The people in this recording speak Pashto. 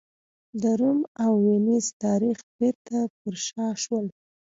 د روم او وینز تاریخ بېرته پر شا شول.